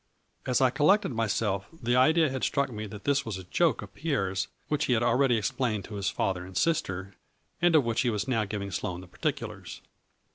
" As I collected myself the idea had struck me that this was a joke of Pierre's which he had already explained to his father and sister, and of which he was now giving Sloane the par ticulars.